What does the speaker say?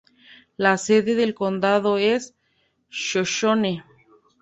La sede del condado es Shoshone.